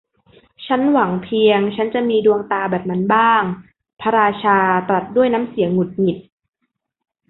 ชั้นหวังเพียงชั้นจะมีดวงตาแบบนั้นบ้าง พระราชาตรัสด้วยน้ำเสียงหงุดหงิด